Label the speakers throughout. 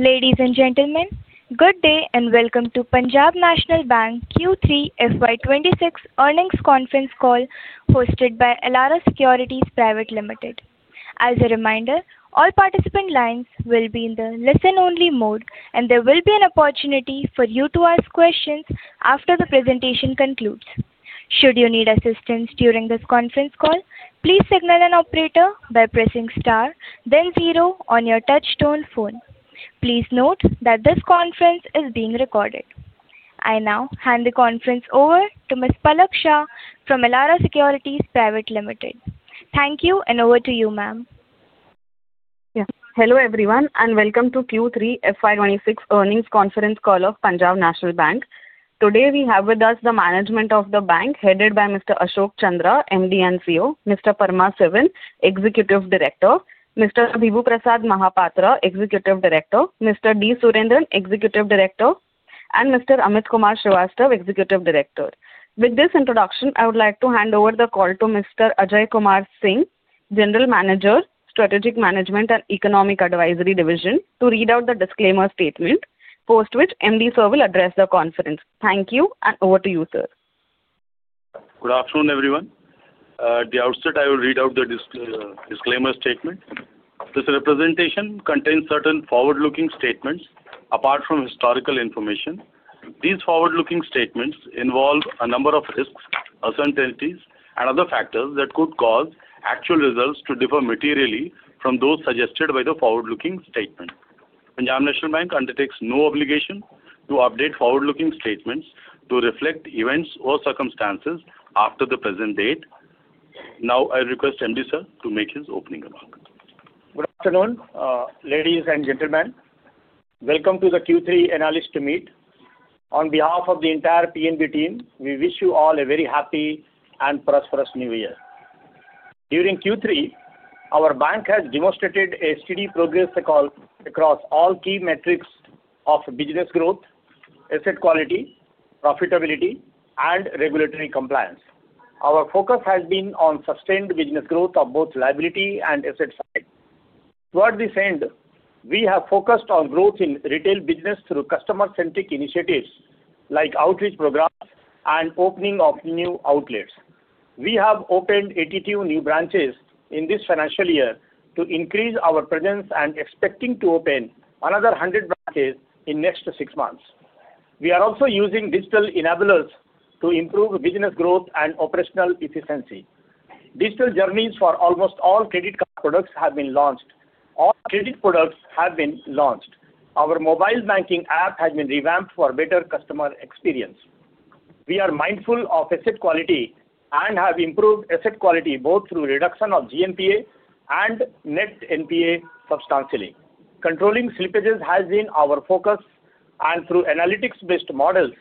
Speaker 1: Ladies and gentlemen, good day and welcome to Punjab National Bank Q3 FY26 Earnings Conference Call hosted by Elara Securities Private Limited. As a reminder, all participant lines will be in the listen-only mode, and there will be an opportunity for you to ask questions after the presentation concludes. Should you need assistance during this conference call, please signal an operator by pressing star, then zero on your touch-tone phone. Please note that this conference is being recorded. I now hand the conference over to Ms. Palak Shah from Elara Securities Private Limited. Thank you, and over to you, ma'am.
Speaker 2: Yes, hello everyone, and welcome to Q3 FY26 Earnings Conference Call of Punjab National Bank. Today we have with us the management of the bank, headed by Mr. Ashok Chandra, MD and CEO, Mr. Paramasivam, Executive Director, Mr. Bibhu Prasad Mahapatra, Executive Director, Mr. D. Surendran, Executive Director, and Mr. Amit Kumar Srivastava, Executive Director. With this introduction, I would like to hand over the call to Mr. Ajay Kumar Singh, General Manager, Strategic Management and Economic Advisory Division, to read out the disclaimer statement, post which MD sir will address the conference. Thank you, and over to you, sir.
Speaker 3: Good afternoon, everyone. At the outset, I will read out the disclaimer statement. This presentation contains certain forward-looking statements apart from historical information. These forward-looking statements involve a number of risks, uncertainties, and other factors that could cause actual results to differ materially from those suggested by the forward-looking statements. Punjab National Bank undertakes no obligation to update forward-looking statements to reflect events or circumstances after the present date. Now, I request MD sir to make his opening remark.
Speaker 4: Good afternoon, ladies and gentlemen. Welcome to the Q3 analysts' meet. On behalf of the entire PNB team, we wish you all a very happy and prosperous New Year. During Q3, our bank has demonstrated a steady progress across all key metrics of business growth, asset quality, profitability, and regulatory compliance. Our focus has been on sustained business growth of both liability and asset side. Toward this end, we have focused on growth in retail business through customer-centric initiatives like outreach programs and opening of new outlets. We have opened 82 new branches in this financial year to increase our presence and expecting to open another 100 branches in the next six months. We are also using digital enablers to improve business growth and operational efficiency. Digital journeys for almost all credit card products have been launched. All credit products have been launched. Our mobile banking app has been revamped for better customer experience. We are mindful of asset quality and have improved asset quality both through reduction of GNPA and net NPA substantially. Controlling slippages has been our focus, and through analytics-based models,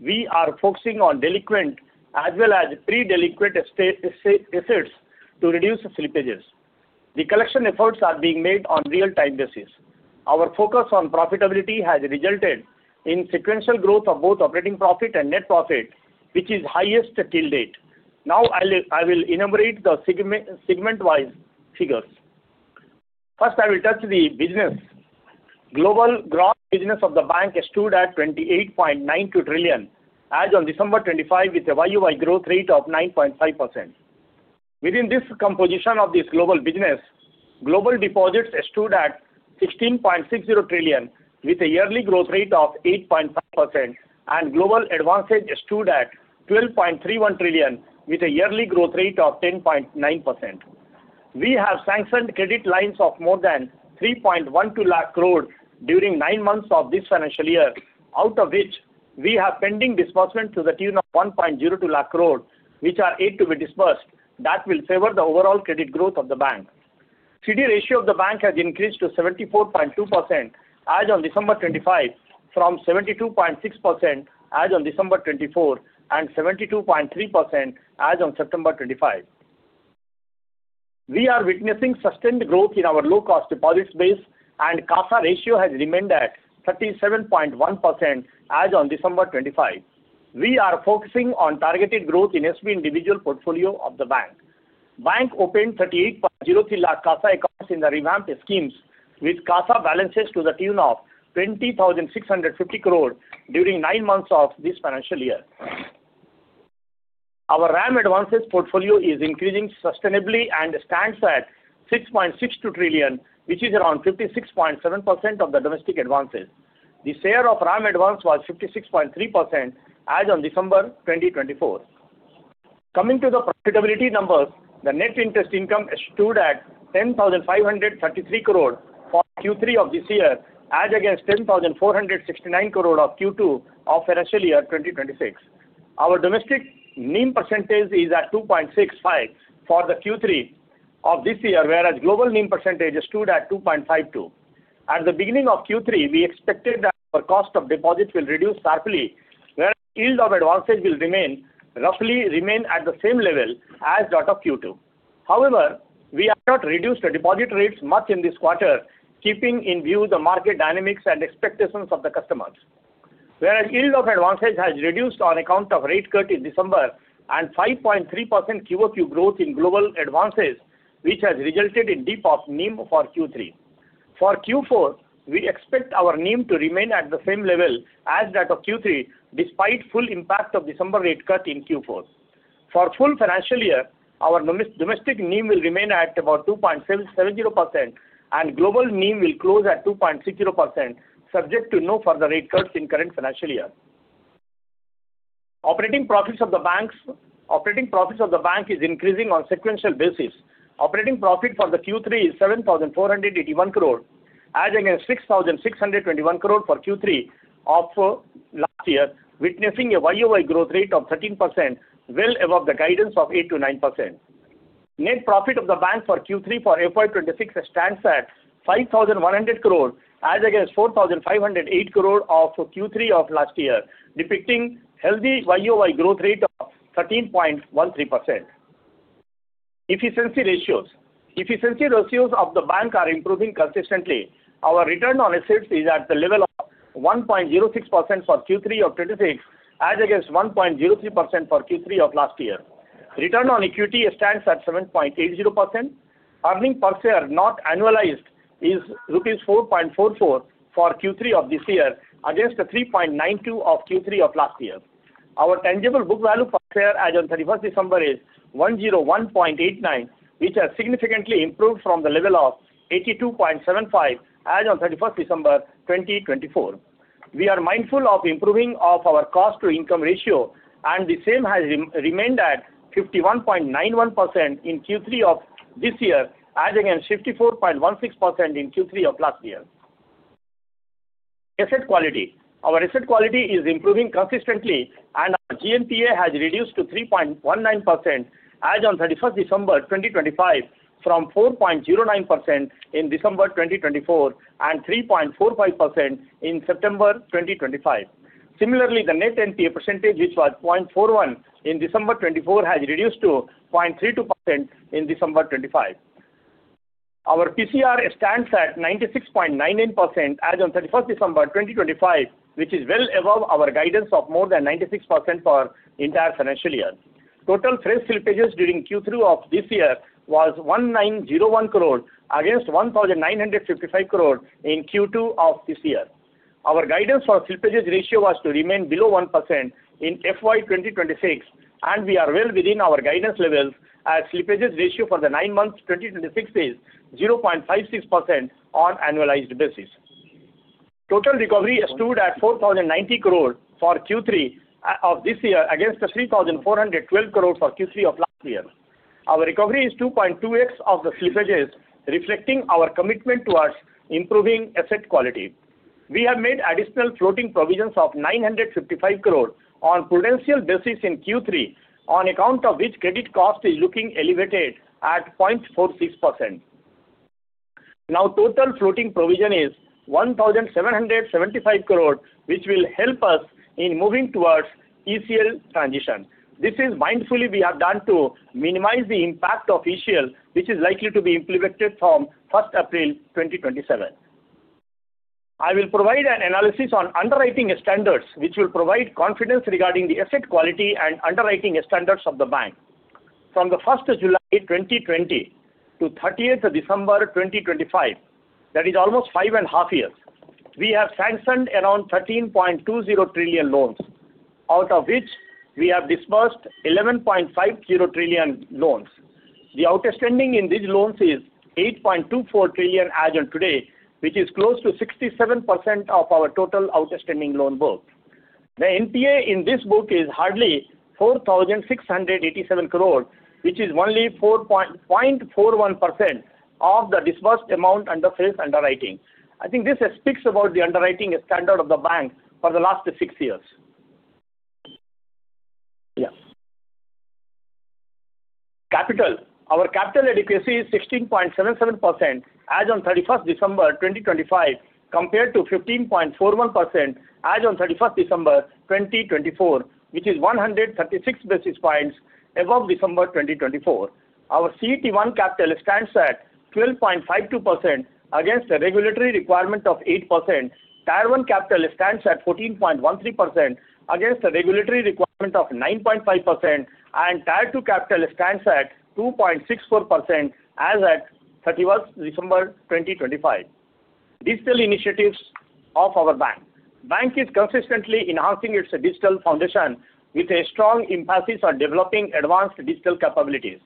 Speaker 4: we are focusing on delinquent as well as pre-delinquent assets to reduce slippages. The collection efforts are being made on a real-time basis. Our focus on profitability has resulted in sequential growth of both operating profit and net profit, which is highest till date. Now, I will enumerate the segment-wise figures. First, I will touch the business. Global gross business of the bank is stood at 28.92 trillion, as on December 25, with a YoY growth rate of 9.5%. Within this composition of this global business, global deposits stood at 16.60 trillion, with a yearly growth rate of 8.5%, and global advances stood at 12.31 trillion, with a yearly growth rate of 10.9%. We have sanctioned credit lines of more than 3.12 lakh crore during nine months of this financial year, out of which we have pending disbursement to the tune of 1.02 lakh crore, which are yet to be disbursed, that will favor the overall credit growth of the bank. CD ratio of the bank has increased to 74.2% as on December 25, from 72.6% as on December 24 and 72.3% as on September 25. We are witnessing sustained growth in our low-cost deposits base, and CASA ratio has remained at 37.1% as on December 25. We are focusing on targeted growth in SB individual portfolio of the bank. Bank opened 38.03 lakh CASA accounts in the revamped schemes, with CASA balances to the tune of 20,650 crore during nine months of this financial year. Our RAM advances portfolio is increasing sustainably and stands at 6.62 trillion, which is around 56.7% of the domestic advances. The share of RAM advance was 56.3% as on December 2024. Coming to the profitability numbers, the net interest income is stood at 10,533 crore for Q3 of this year, as against 10,469 crore of Q2 of financial year 2026. Our domestic NIM percentage is at 2.65% for the Q3 of this year, whereas global NIM percentage is stood at 2.52%. At the beginning of Q3, we expected that our cost of deposits will reduce sharply, whereas yield on advances will roughly remain at the same level as that of Q2. However, we have not reduced deposit rates much in this quarter, keeping in view the market dynamics and expectations of the customers, whereas yield on advances has reduced on account of rate cut in December and 5.3% QOQ growth in low-cost advances, which has resulted in a dip in NIM for Q3. For Q4, we expect our NIM to remain at the same level as that of Q3, despite the full impact of the December rate cut in Q4. For the full financial year, our domestic NIM will remain at about 2.70%, and global NIM will close at 2.60%, subject to no further rate cuts in the current financial year. Operating profits of the bank is increasing on a sequential basis. Operating profit for Q3 is 7,481 crore, as against 6,621 crore for Q3 of last year, witnessing a YoY growth rate of 13%, well above the guidance of 8% to 9%. Net profit of the bank for Q3 for FY26 stands at 5,100 crore, as against 4,508 crore for Q3 of last year, depicting a healthy YoY growth rate of 13.13%. Efficiency ratios of the bank are improving consistently. Our return on assets is at the level of 1.06% for Q3 of '26, as against 1.03% for Q3 of last year. Return on equity stands at 7.80%. Earnings per share, not annualized, is Rs. 4.44 for Q3 of this year, against 3.92 for Q3 of last year. Our tangible book value per share, as of 31st December, is 101.89, which has significantly improved from the level of 82.75, as of 31st December 2024. We are mindful of the improving of our cost-to-income ratio, and the same has remained at 51.91% in Q3 of this year, as against 54.16% in Q3 of last year. Asset quality: Our asset quality is improving consistently, and our GNPA has reduced to 3.19%, as of 31st December 2025, from 4.09% in December 2024 and 3.45% in September 2025. Similarly, the net NPA percentage, which was 0.41% in December 2024, has reduced to 0.32% in December 2025. Our PCR stands at 96.99% as of 31st December 2025, which is well above our guidance of more than 96% for the entire financial year. Total fresh slippages during Q3 of this year was 1,901 crore, against 1,955 crore in Q2 of this year. Our guidance for slippages ratio was to remain below 1% in FY 2026, and we are well within our guidance levels, as the slippages ratio for the nine months of 2026 is 0.56% on an annualized basis. Total recovery is stood at 4,090 crore for Q3 of this year, against 3,412 crore for Q3 of last year. Our recovery is 2.2x of the slippages, reflecting our commitment towards improving asset quality. We have made additional floating provisions of 955 crore on a prudential basis in Q3, on account of which credit cost is looking elevated at 0.46%. Now, the total floating provision is 1,775 crore, which will help us in moving towards ECL transition. This is mindfully we have done to minimize the impact of ECL, which is likely to be implemented from 1st April 2027. I will provide an analysis on underwriting standards, which will provide confidence regarding the asset quality and underwriting standards of the bank. From 1st July 2020 to 30th December 2025, that is almost five and a half years, we have sanctioned around 13.20 trillion loans, out of which we have disbursed 11.50 trillion loans. The outstanding in these loans is 8.24 trillion as of today, which is close to 67% of our total outstanding loan work. The NPA in this book is hardly 4,687 crore, which is only 0.41% of the disbursed amount under face underwriting. I think this speaks about the underwriting standard of the bank for the last six years. Yeah. Capital: Our capital adequacy is 16.77% as on 31st December 2025, compared to 15.41% as on 31st December 2024, which is 136 basis points above December 2024. Our CET1 capital stands at 12.52% against the regulatory requirement of 8%. Tier one capital stands at 14.13% against the regulatory requirement of 9.5%, and Tier two capital stands at 2.64% as at 31st December 2025. Digital initiatives of our bank: The bank is consistently enhancing its digital foundation with a strong emphasis on developing advanced digital capabilities.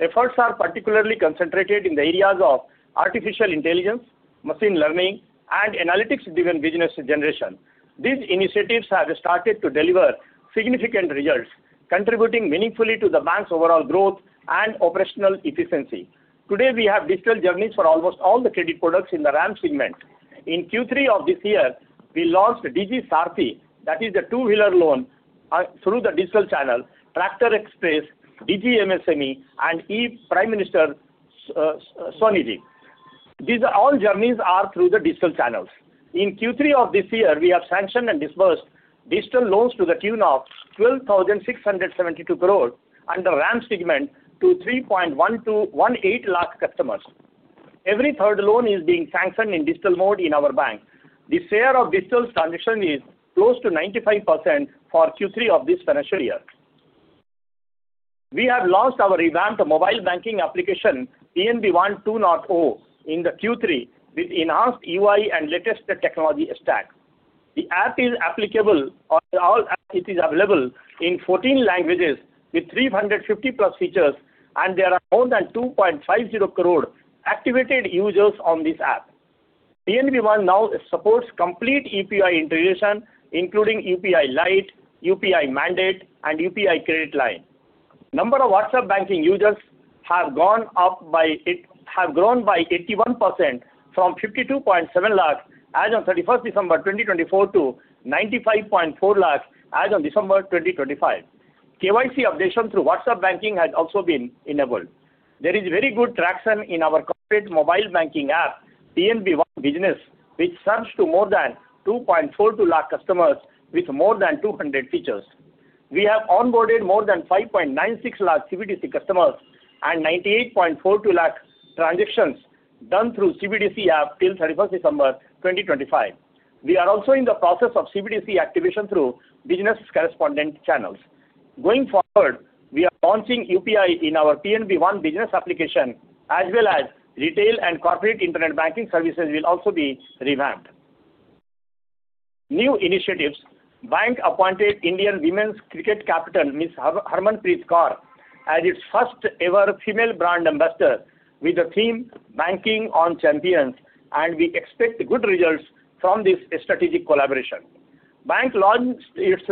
Speaker 4: Efforts are particularly concentrated in the areas of artificial intelligence, machine learning, and analytics-driven business generation. These initiatives have started to deliver significant results, contributing meaningfully to the bank's overall growth and operational efficiency. Today, we have digital journeys for almost all the credit products in the RAM segment. In Q3 of this year, we launched Digi Saarthi, that is the two-wheeler loan through the digital channel, Tractor Express, Digi MSME, and PM SVANidhi. These all journeys are through the digital channels. In Q3 of this year, we have sanctioned and disbursed digital loans to the tune of 12,672 crore under RAM segment to 3.18 lakh customers. Every third loan is being sanctioned in digital mode in our bank. The share of digital transition is close to 95% for Q3 of this financial year. We have launched our revamped mobile banking application, PNB One 2.0, in Q3 with enhanced UI and latest technology stack. The app is applicable on all apps. It is available in 14 languages with 350 plus features, and there are more than 2.50 crore activated users on this app. PNB One now supports complete UPI integration, including UPI Lite, UPI Mandate, and UPI Credit Line. The number of WhatsApp banking users have grown by 81% from 52.7 lakh as of 31st December 2024 to 95.4 lakh as of December 2025. KYC updation through WhatsApp banking has also been enabled. There is very good traction in our corporate mobile banking app, PNB One Business, which serves to more than 2.42 lakh customers with more than 200 features. We have onboarded more than 5.96 lakh CBDC customers and 98.42 lakh transactions done through CBDC app till 31st December 2025. We are also in the process of CBDC activation through business correspondent channels. Going forward, we are launching UPI in our PNB One Business application, as well as retail and corporate internet banking services will also be revamped. New initiatives: The bank appointed Indian women's cricket captain, Ms. Harmanpreet Kaur, as its first-ever female brand ambassador with the theme "Banking on Champions," and we expect good results from this strategic collaboration. The bank launched its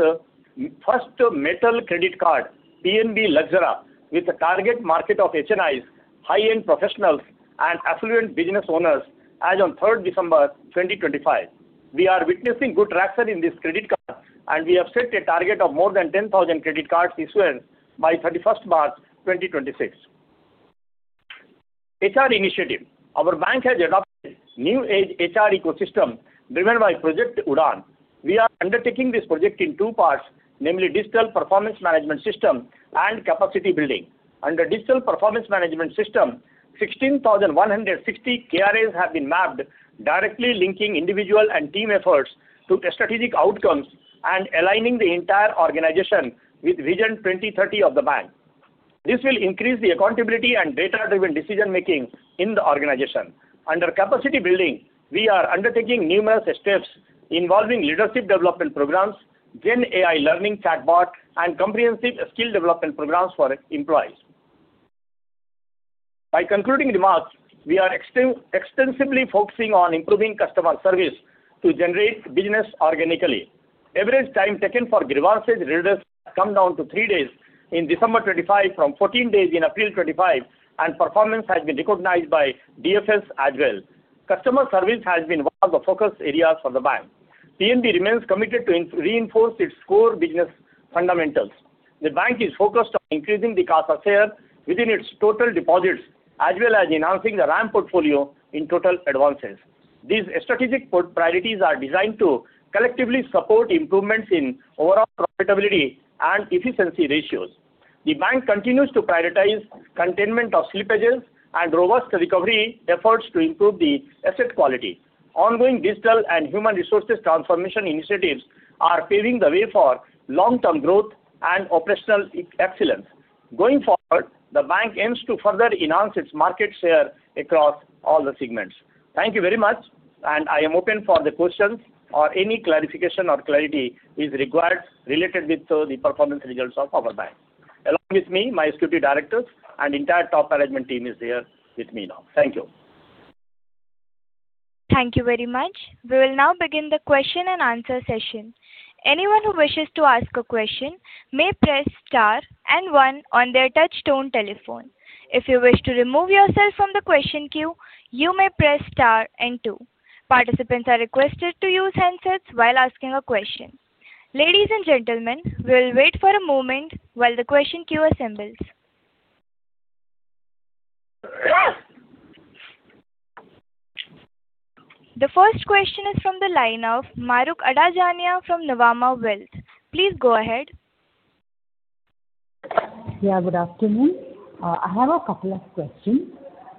Speaker 4: first metal credit card, PNB Luxura, with a target market of HNIs, high-end professionals, and affluent business owners as of 3rd December 2025. We are witnessing good traction in this credit card, and we have set a target of more than 10,000 credit card issuance by 31st March 2026. HR initiative: Our bank has adopted a new-age HR ecosystem driven by Project Udaan. We are undertaking this project in two parts, namely digital performance management system and capacity building. Under digital performance management system, 16,160 KRAs have been mapped, directly linking individual and team efforts to strategic outcomes and aligning the entire organization with Vision 2030 of the bank. This will increase the accountability and data-driven decision-making in the organization. Under capacity building, we are undertaking numerous steps involving leadership development programs, Gen AI learning chatbot, and comprehensive skill development programs for employees. In concluding remarks, we are extensively focusing on improving customer service to generate business organically. Average time taken for grievances results has come down to three days in December 2025 from 14 days in April 2025, and performance has been recognized by DFS as well. Customer service has been one of the focus areas for the bank. PNB remains committed to reinforce its core business fundamentals. The bank is focused on increasing the CASA share within its total deposits, as well as enhancing the RAM portfolio in total advances. These strategic priorities are designed to collectively support improvements in overall profitability and efficiency ratios. The bank continues to prioritize containment of slippages and robust recovery efforts to improve the asset quality. Ongoing digital and human resources transformation initiatives are paving the way for long-term growth and operational excellence. Going forward, the bank aims to further enhance its market share across all the segments. Thank you very much, and I am open for the questions or any clarification or clarity is required related to the performance results of our bank. Along with me, my executive directors and the entire top management team is here with me now. Thank you.
Speaker 1: Thank you very much. We will now begin the question and answer session. Anyone who wishes to ask a question may press star and one on their touch-tone telephone. If you wish to remove yourself from the question queue, you may press star and two. Participants are requested to use handsets while asking a question. Ladies and gentlemen, we will wait for a moment while the question queue assembles. The first question is from the line of Mahrukh Adajania from Nuvama Wealth. Please go ahead.
Speaker 5: Yeah, good afternoon. I have a couple of questions.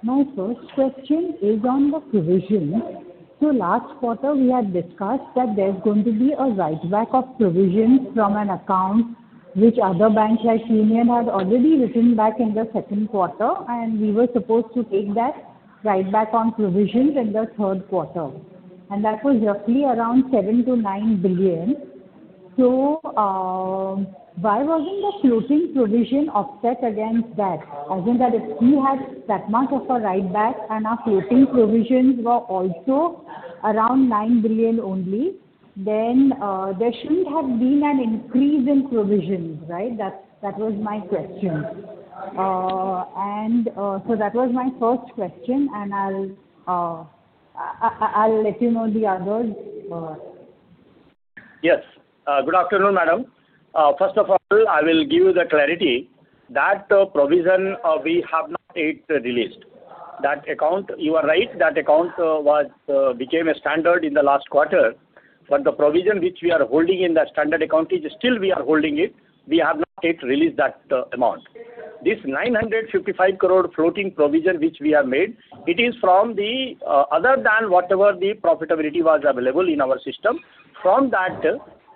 Speaker 5: My first question is on the provisions. So, last quarter, we had discussed that there's going to be a write-back of provisions from an account which other banks like Union had already written back in the second quarter, and we were supposed to take that write-back on provisions in the third quarter, and that was roughly around 7 billion-9 billion. So, why wasn't the floating provision offset against that? As in that if we had that much of a write-back and our floating provisions were also around 9 billion only, then there shouldn't have been an increase in provisions, right? That was my question. And so that was my first question, and I'll let you know the others.
Speaker 4: Yes. Good afternoon, madam. First of all, I will give you the clarity that provision we have not yet released. That account, you are right, that account became a standard in the last quarter, but the provision which we are holding in that standard account is still we are holding it. We have not yet released that amount. This 955 crore floating provision which we have made, it is from the other than whatever the profitability was available in our system. From that,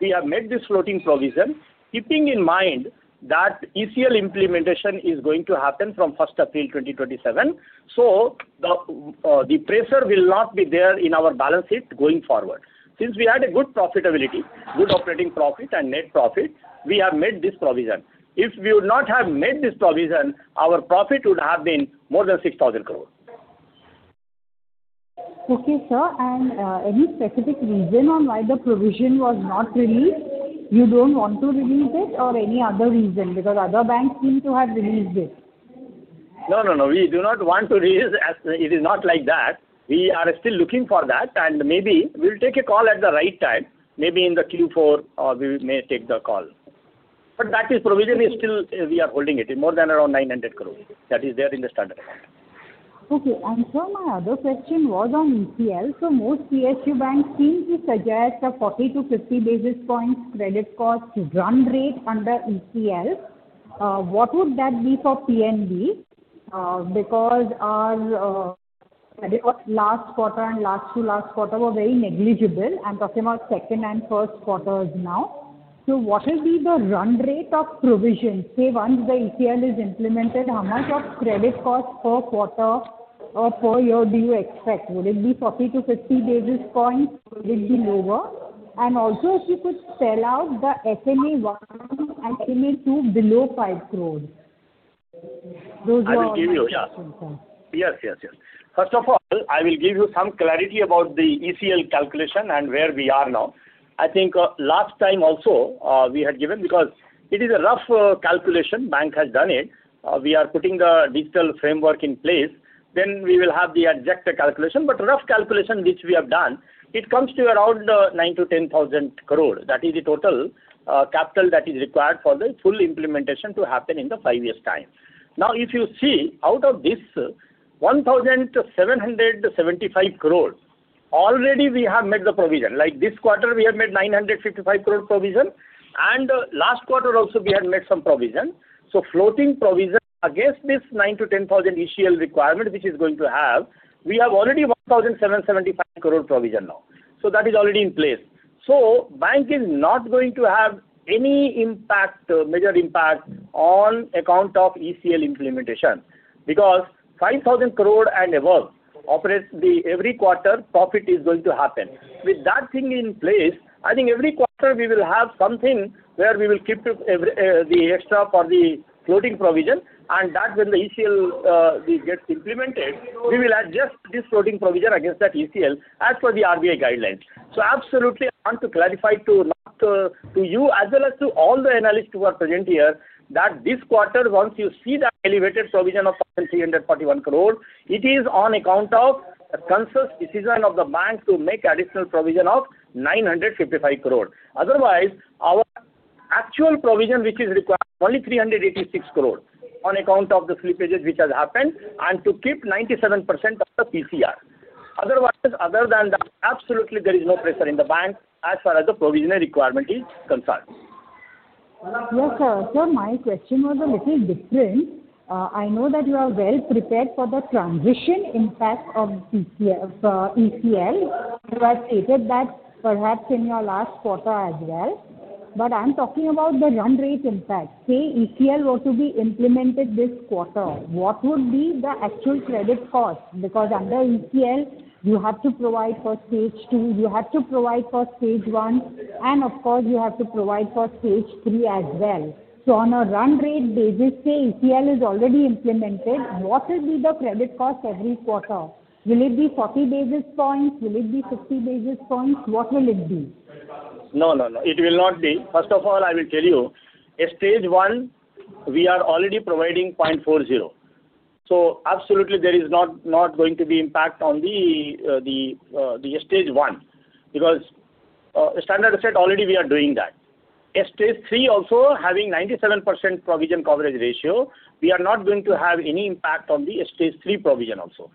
Speaker 4: we have made this floating provision, keeping in mind that ECL implementation is going to happen from 1st April 2027. So, the pressure will not be there in our balance sheet going forward. Since we had a good profitability, good operating profit and net profit, we have made this provision. If we would not have made this provision, our profit would have been more than 6,000 crore.
Speaker 5: Okay, sir. And any specific reason on why the provision was not released? You don't want to release it or any other reason because other banks seem to have released it?
Speaker 4: No, no, no. We do not want to release it. It is not like that. We are still looking for that, and maybe we'll take a call at the right time. Maybe in the Q4, we may take the call. But that provision is still we are holding it. It's more than around 900 crore that is there in the standard account.
Speaker 5: Okay. And sir, my other question was on ECL. So, most PSU banks seem to suggest a 40-50 basis points credit cost run rate under ECL. What would that be for PNB? Because our credit last quarter and last two last quarter were very negligible. I'm talking about second and first quarters now. So, what will be the run rate of provision? Say, once the ECL is implemented, how much of credit cost per quarter or per year do you expect? Would it be 40-50 basis points? Would it be lower? And also, if you could spell out the SMA 1 and SMA 2 below 5 crore.
Speaker 4: I will give you, yeah. Yes, yes, yes. First of all, I will give you some clarity about the ECL calculation and where we are now. I think last time also we had given because it is a rough calculation. The bank has done it. We are putting the digital framework in place. Then we will have the exact calculation. But rough calculation which we have done, it comes to around 9-10 thousand crore. That is the total capital that is required for the full implementation to happen in the five years' time. Now, if you see out of this 1,775 crore, already we have made the provision. Like this quarter, we have made 955 crore provision, and last quarter also we had made some provision. So, floating provision against this 9-10 thousand ECL requirement which is going to have, we have already 1,775 crore provision now. So, that is already in place. So, the bank is not going to have any impact, major impact on the account of ECL implementation because 5,000 crore and above, every quarter profit is going to happen. With that thing in place, I think every quarter we will have something where we will keep the extra for the floating provision, and that when the ECL gets implemented, we will adjust this floating provision against that ECL as per the RBI guidelines. So, absolutely, I want to clarify to you as well as to all the analysts who are present here that this quarter, once you see that elevated provision of 1,341 crore, it is on account of the consensus decision of the bank to make additional provision of 955 crore. Otherwise, our actual provision which is required is only 386 crore on account of the slippages which have happened and to keep 97% of the PCR. Otherwise, other than that, absolutely there is no pressure in the bank as far as the provisional requirement is concerned.
Speaker 5: Yes, sir. Sir, my question was a little different. I know that you are well prepared for the transition impact of ECL. You have stated that perhaps in your last quarter as well. But I'm talking about the run rate impact. Say, ECL were to be implemented this quarter, what would be the actual credit cost? Because under ECL, you have to provide for stage two, you have to provide for stage one, and of course, you have to provide for stage three as well. So, on a run rate basis, say ECL is already implemented, what will be the credit cost every quarter? Will it be 40 basis points? Will it be 50 basis points? What will it be?
Speaker 4: No, no, no. It will not be. First of all, I will tell you, stage one, we are already providing 0.40. So, absolutely, there is not going to be impact on the stage one because standards we are already doing that. Stage three also, having 97% provision coverage ratio, we are not going to have any impact on the stage three provision also.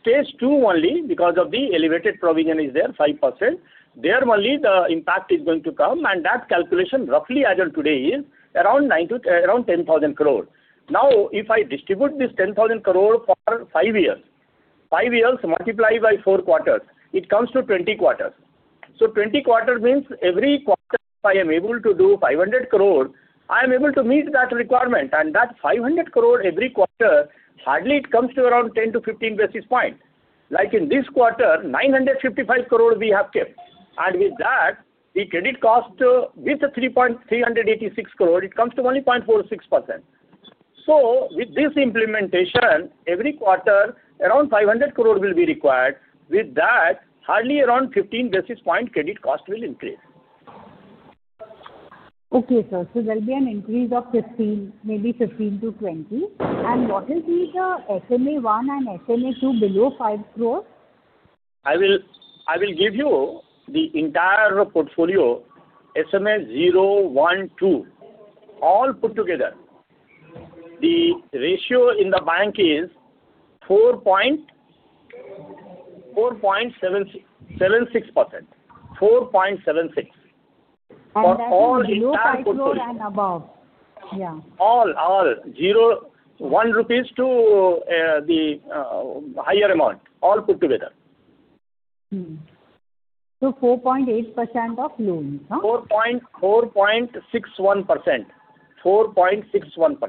Speaker 4: Stage two only because of the elevated provision is there, 5%. There only the impact is going to come, and that calculation roughly as of today is around 10,000 crore. Now, if I distribute this 10,000 crore for five years, five years multiplied by four quarters, it comes to 20 quarters. So, 20 quarters means every quarter if I am able to do 500 crore, I am able to meet that requirement, and that 500 crore every quarter hardly it comes to around 10-15 basis points. Like in this quarter, 955 crore we have kept, and with that, the credit cost with the 386 crore, it comes to only 0.46%. So, with this implementation, every quarter around 500 crore will be required. With that, hardly around 15 basis point credit cost will increase.
Speaker 5: Okay, sir. So, there'll be an increase of 15, maybe 15-20. And what is with the SMA 1 and SMA 2 below 5 crore?
Speaker 4: I will give you the entire portfolio, SMA 0, 1, 2, all put together. The ratio in the bank is 4.76%, 4.76 for all entire portfolio.
Speaker 5: And 0 and above. Yeah.
Speaker 4: All, all. 0, 1 rupees to the higher amount, all put together.
Speaker 5: So, 4.8% of loans?
Speaker 4: 4.61%. 4.61%.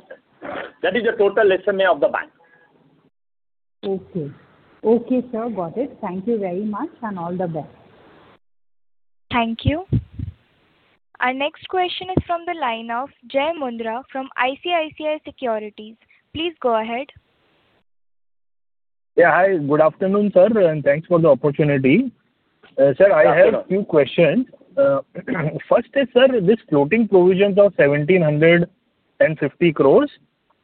Speaker 4: That is the total SMA of the bank.
Speaker 5: Okay. Okay, sir. Got it. Thank you very much and all the best.
Speaker 1: Thank you. Our next question is from the line of Jai Mundhra from ICICI Securities. Please go ahead.
Speaker 6: Yeah, hi. Good afternoon, sir. And thanks for the opportunity. Sir, I have a few questions. First is, sir, this floating provision of 1,750 crore,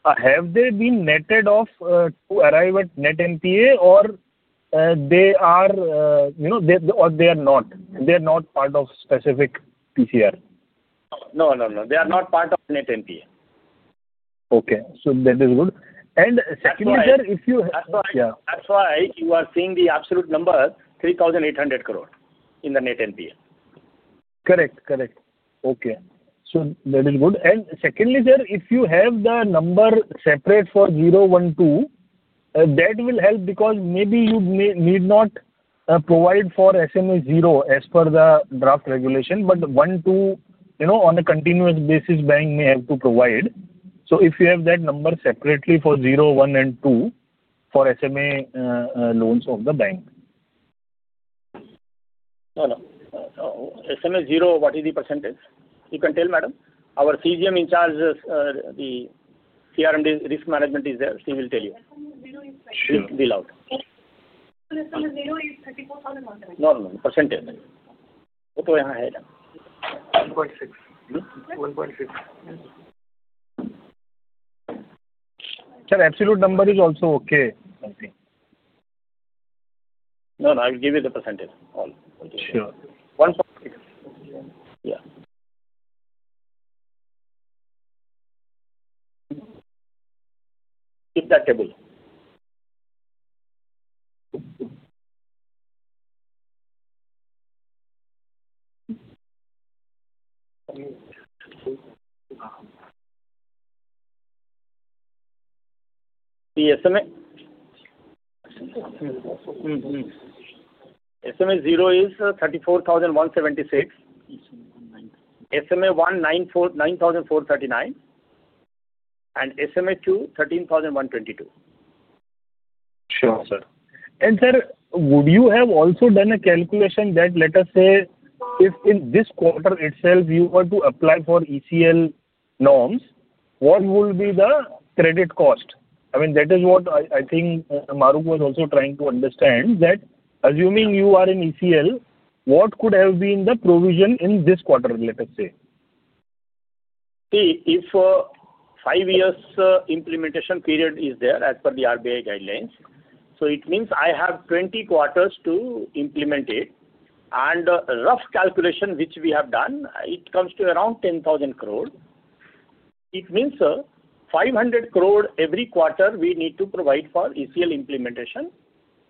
Speaker 6: have they been netted off to arrive at net NPA, or they are not? They are not part of specific PCR?
Speaker 4: No, no, no. They are not part of Net NPA.
Speaker 6: Okay. So, that is good. And secondly, sir, if you have, sorry.
Speaker 4: That's why you are seeing the absolute number 3,800 crore in the Net NPA.
Speaker 6: Correct. Correct. Okay. So, that is good. And secondly, sir, if you have the number separate for 0, 1, 2, that will help because maybe you need not provide for SMA 0 as per the draft regulation, but 1, 2 on a continuous basis bank may have to provide. So, if you have that number separately for 0, 1, and 2 for SMA loans of the bank.
Speaker 4: No, no. SMA 0, what is the percentage? You can tell, madam. Our CGM in charge, the CRMD risk management is there. She will tell you.
Speaker 7: 0 is 34,000.
Speaker 4: No, no, no. Percentage. What do I have? 1.6%. 1.6%.
Speaker 6: Sir, absolute number is also okay.
Speaker 4: No, no. I will give you the percentage. Sure. 1.6%. Yeah. Keep that table. The SMA 0 is 34,176. SMA 1, 9,439, and SMA 2, 13,122.
Speaker 6: Sure, sir, and sir, would you have also done a calculation that let us say if in this quarter itself you were to apply for ECL norms, what would be the credit cost? I mean, that is what I think Mahrukh was also trying to understand that assuming you are in ECL, what could have been the provision in this quarter, let us say?
Speaker 4: See, if five years' implementation period is there as per the RBI guidelines, so it means I have 20 quarters to implement it, and rough calculation which we have done, it comes to around 10,000 crore. It means 500 crore every quarter we need to provide for ECL implementation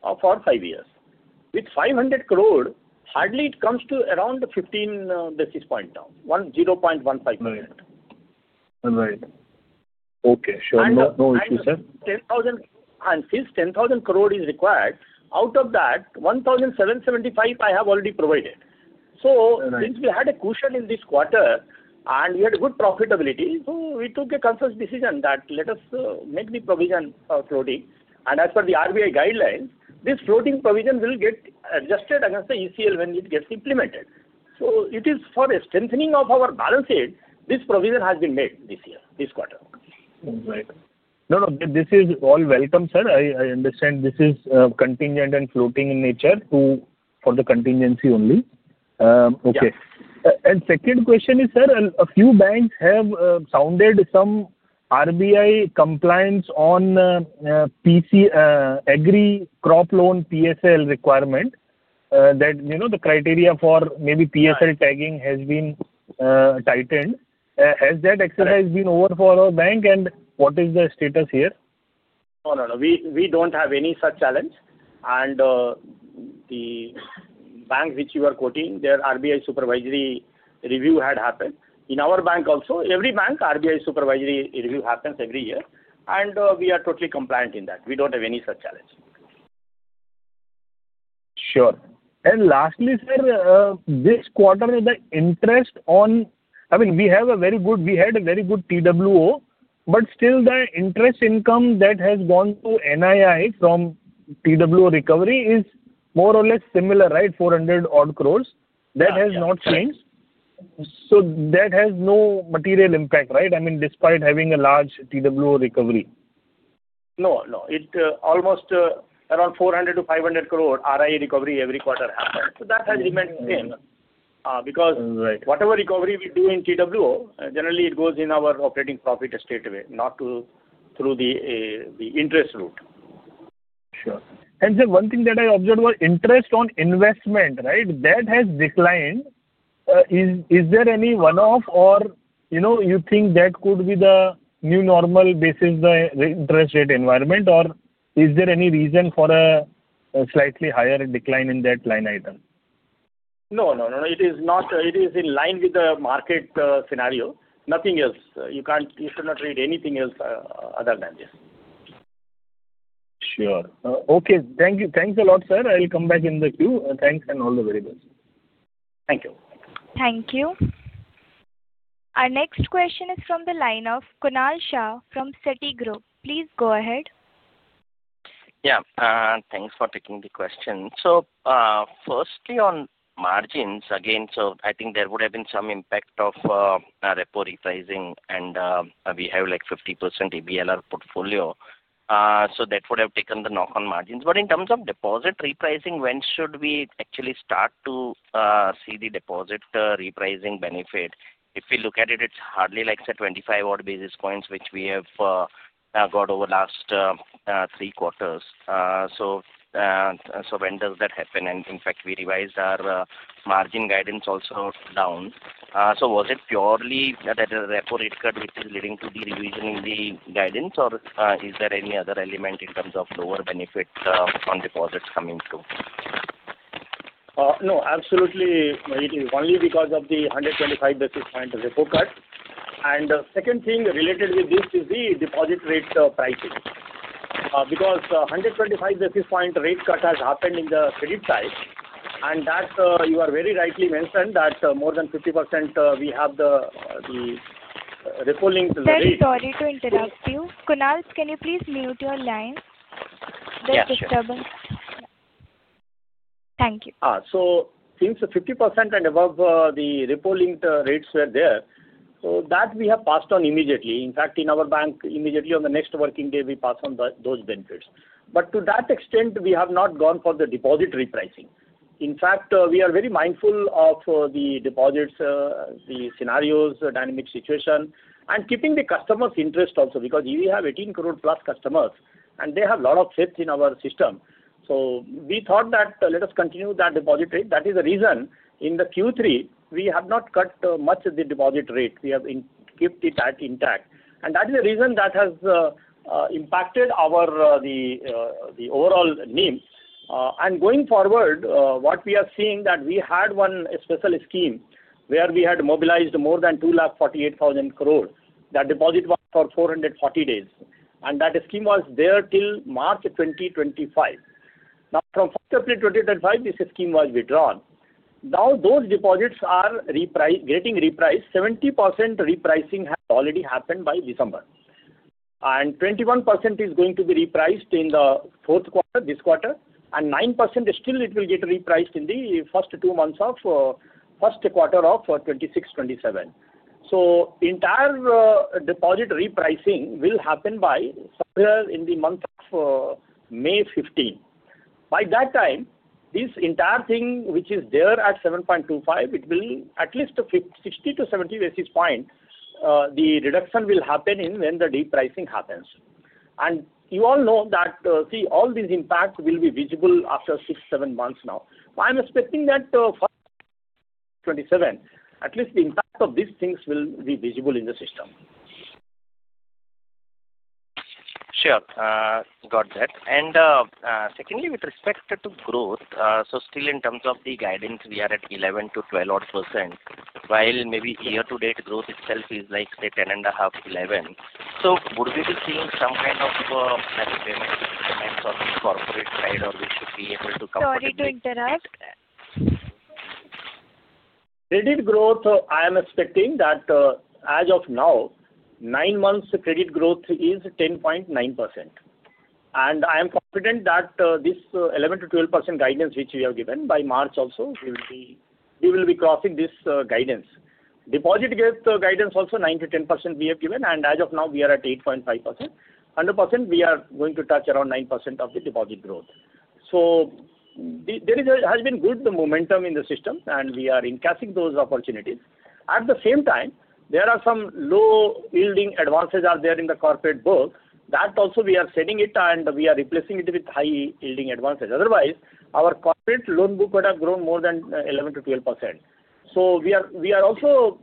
Speaker 4: for five years. With 500 crore, hardly it comes to around 15 basis point down, 0.15%. Right.
Speaker 6: Okay. Sure. No issue, sir.
Speaker 4: And since 10,000 crore is required, out of that, 1,775 I have already provided, so since we had a cushion in this quarter and we had good profitability, so we took a consensus decision that let us make the provision floating, and as per the RBI guidelines, this floating provision will get adjusted against the ECL when it gets implemented, so it is for strengthening of our balance sheet. This provision has been made this quarter.
Speaker 6: Right. No, no. This is all welcome, sir. I understand this is contingent and floating in nature for the contingency only. Okay, and second question is, sir, a few banks have sounded some RBI compliance on Agri Crop Loan PSL requirement that the criteria for maybe PSL tagging has been tightened. Has that exercise been over for our bank, and what is the status here?
Speaker 4: No, no, no. We don't have any such challenge. And the bank which you are quoting, their RBI supervisory review had happened. In our bank also, every bank RBI supervisory review happens every year, and we are totally compliant in that. We don't have any such challenge.
Speaker 6: Sure. And lastly, sir, this quarter, the interest on—I mean, we have a very good—we had a very good WO, but still the interest income that has gone to NII from WO recovery is more or less similar, right? 400-odd crores. That has not changed. So, that has no material impact, right? I mean, despite having a large WO recovery.
Speaker 4: No, no. It's almost around 400 to 500 crore WO recovery every quarter happens. That has remained the same because whatever recovery we do in NPA, generally it goes in our operating profit straightaway, not through the interest route.
Speaker 6: Sure. And sir, one thing that I observed was interest on investment, right? That has declined. Is there any one-off, or you think that could be the new normal basis of the interest rate environment, or is there any reason for a slightly higher decline in that line item?
Speaker 4: No, no, no. It is in line with the market scenario. Nothing else. You should not read anything else other than this.
Speaker 6: Sure. Okay. Thank you. Thanks a lot, sir. I'll come back in the queue. Thanks and all the very best. Thank you.
Speaker 1: Thank you. Our next question is from the line of Kunal Shah from Citigroup. Please go ahead.
Speaker 8: Yeah. Thanks for taking the question. So, firstly, on margins, again, so I think there would have been some impact of repo repricing, and we have like 50% EBLR portfolio. So, that would have taken the knock on margins. But in terms of deposit repricing, when should we actually start to see the deposit repricing benefit? If you look at it, it's hardly like 25 odd basis points which we have got over last three quarters. So, when does that happen? And in fact, we revised our margin guidance also down. So, was it purely that repo rate cut which is leading to the revision in the guidance, or is there any other element in terms of lower benefit on deposits coming through?
Speaker 4: No, absolutely. It is only because of the 125 basis point repo cut. The second thing related with this is the deposit rate pricing because 125 basis point rate cut has happened in the credit side. You have very rightly mentioned that more than 50% we have the repo linked rate.
Speaker 1: Sorry to interrupt you. Kunal, can you please mute your line? Yes. That's disturbing. Thank you.
Speaker 4: Since 50% and above the repo linked rates were there, so that we have passed on immediately. In fact, in our bank, immediately on the next working day, we pass on those benefits. But to that extent, we have not gone for the deposit repricing. In fact, we are very mindful of the deposits, the scenarios, dynamic situation, and keeping the customer's interest also because we have 18 crore plus customers, and they have a lot of faith in our system. We thought that let us continue that deposit rate. That is the reason in the Q3, we have not cut much of the deposit rate. We have kept it intact, and that is the reason that has impacted the overall NIM. Going forward, what we are seeing that we had one special scheme where we had mobilized more than 248,000 crore. That deposit was for 440 days, and that scheme was there till March 2025. Now, from September 2025, this scheme was withdrawn. Now, those deposits are getting repriced. 70% repricing has already happened by December, and 21% is going to be repriced in the fourth quarter, this quarter. And 9% still, it will get repriced in the first two months of first quarter of 26-27. Entire deposit repricing will happen by somewhere in the month of May 15. By that time, this entire thing which is there at 7.25, it will at least 60-70 basis point, the reduction will happen when the repricing happens. And you all know that, see, all these impacts will be visible after six, seven months now. I'm expecting that for 27, at least the impact of these things will be visible in the system.
Speaker 8: Sure. Got that. And secondly, with respect to growth, so still in terms of the guidance, we are at 11-12% odd, while maybe year-to-date growth itself is like, say, 10.5, 11. So, would we be seeing some kind of payment increments on the corporate side, or we should be able to come to a point?
Speaker 1: Sorry to interrupt.
Speaker 4: Credit growth, I am expecting that as of now, nine months' credit growth is 10.9%. I am confident that this 11%-12% guidance which we have given by March also, we will be crossing this guidance. Deposit guidance also, 9%-10% we have given. As of now, we are at 8.5%. 100%, we are going to touch around 9% of the deposit growth. There has been good momentum in the system, and we are encashing those opportunities. At the same time, there are some low-yielding advances out there in the corporate book. That also, we are shedding it, and we are replacing it with high-yielding advances. Otherwise, our corporate loan book would have grown more than 11%-12%. We are also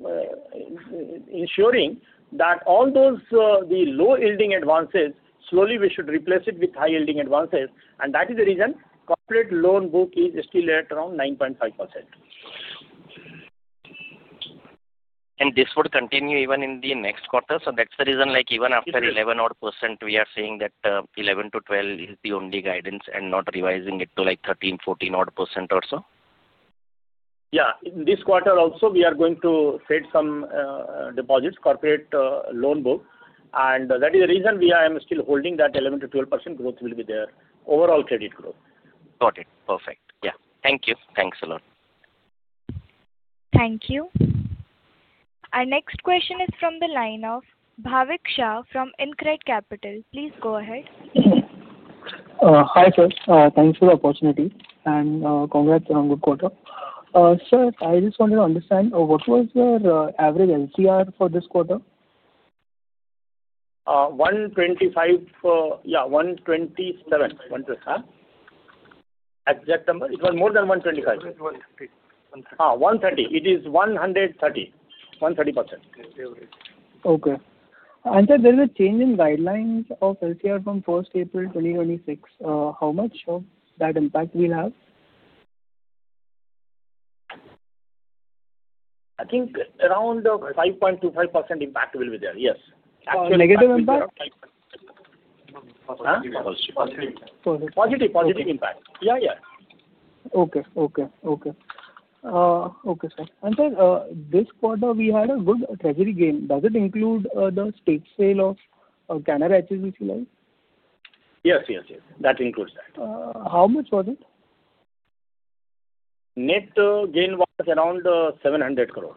Speaker 4: ensuring that all those low-yielding advances, slowly we should replace it with high-yielding advances. That is the reason corporate loan book is still at around 9.5%.
Speaker 8: And this would continue even in the next quarter. So, that's the reason even after 11% odd, we are seeing that 11-12% is the only guidance and not revising it to like 13-14% odd or so.
Speaker 4: Yeah. In this quarter also, we are going to shed some deposits, corporate loan book. And that is the reason we are still holding that 11-12% growth will be there, overall credit growth.
Speaker 8: Got it. Perfect. Yeah. Thank you. Thanks a lot.
Speaker 1: Thank you. Our next question is from the line of Bhavik Shah from InCred Capital. Please go ahead.
Speaker 9: Hi sir. Thanks for the opportunity. And congrats on good quarter. Sir, I just wanted to understand, what was your average LCR for this quarter?
Speaker 4: 125, yeah, 127. Exact number? It was more than 125. 130. 130. It is 130. 130%. Okay.
Speaker 9: Sir, there is a change in guidelines of LCR from 1st April 2026. How much of that impact will have?
Speaker 4: I think around 5.25% impact will be there. Yes.
Speaker 9: Negative impact?
Speaker 4: Positive. Positive. Positive impact. Yeah, yeah.
Speaker 9: Okay. Okay. Okay. Okay, sir. Sir, this quarter, we had a good treasury gain. Does it include the stake sale of Canara HSBC loan?
Speaker 4: Yes. Yes. Yes. That includes that.
Speaker 9: How much was it?
Speaker 4: Net gain was around 700 crore.